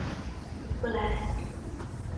尼布莱。